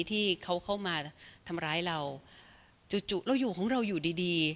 ที่เขาเข้ามาทำร้ายเราจู่จู่เราอยู่ของเราอยู่ดีดี